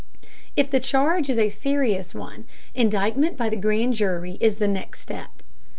If the charge is a serious one, indictment by the grand jury is the next step.